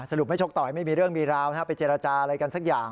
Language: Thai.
ไม่ชกต่อยไม่มีเรื่องมีราวไปเจรจาอะไรกันสักอย่าง